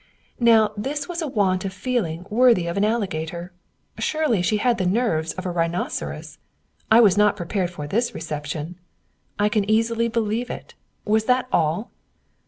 Now this was a want of feeling worthy of an alligator! Surely she had the nerves of a rhinoceros! I was not prepared for this reception. "I can easily believe it!" Was that all?